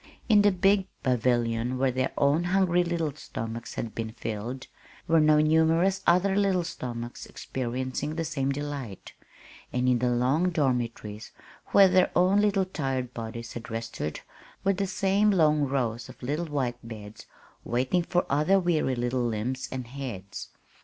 In the big pavilion where their own hungry little stomachs had been filled, were now numerous other little stomachs experiencing the same delight; and in the long dormitories where their own tired little bodies had rested were the same long rows of little white beds waiting for other weary little limbs and heads.